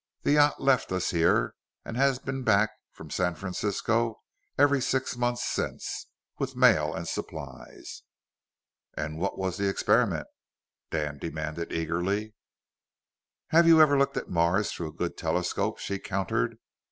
The yacht left us here, and has been back from San Francisco every six months since, with mail and supplies." "And what was the experiment?" Dan demanded eagerly. "Have you ever looked at Mars through a good telescope?" she countered.